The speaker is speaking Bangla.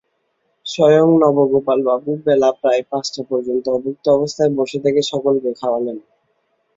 স্বয়ং নবগোপালবাবু বেলা প্রায় পাঁচটা পর্যন্ত অভুক্ত অবস্থায় বসে থেকে সকলকে খাওয়ালেন।